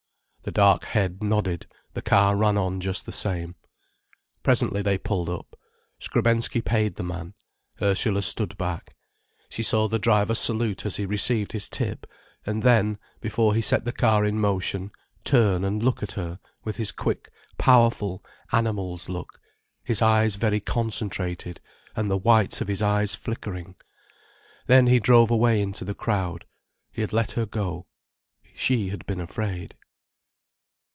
The dark head nodded, the car ran on just the same. Presently they pulled up. Skrebensky paid the man. Ursula stood back. She saw the driver salute as he received his tip, and then, before he set the car in motion, turn and look at her, with his quick, powerful, animal's look, his eyes very concentrated and the whites of his eyes flickering. Then he drove away into the crowd. He had let her go. She had been afraid.